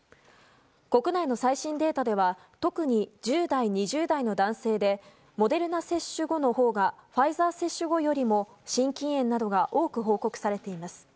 国内の最新データでは特に１０代、２０代の男性でモデルナ接種後のほうがファイザー接種後よりも心筋炎などが多く報告されています。